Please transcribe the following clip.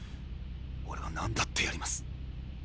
俺は何だってやります。